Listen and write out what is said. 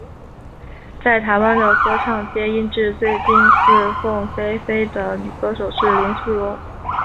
在台湾的歌唱界音质最近似凤飞飞的女歌手是林淑容。